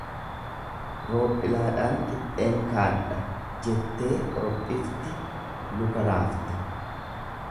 Roophilaadhaan qixxeen kaadha jettee korophifti luka raafte.